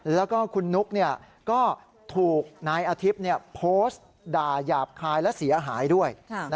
แล้วก็คุณนุ๊กก็ถูกนายอาทิตย์โพสต์ด่าหยาบคายและเสียหายด้วย